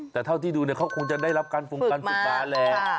แต่เท่าที่ดูเขาคงจะได้รับการฟุมกันฝึกกะแหละ